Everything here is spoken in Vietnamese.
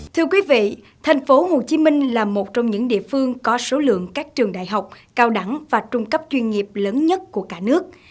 thưa quý vị thành phố hồ chí minh là một trong những địa phương có số lượng các trường đại học cao đẳng và trung cấp chuyên nghiệp lớn nhất của cả nước